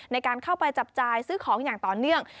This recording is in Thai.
ในการเข้าไปจับจ่ายซื้อของอย่างต่อเนื่อง